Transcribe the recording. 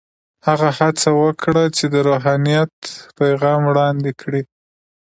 هغه هڅه وکړه چې د روحانیت پیغام وړاندې کړي.